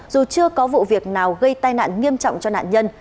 dù chưa có vụ việc nào gây tai nạn nghiêm trọng cho nạn nhân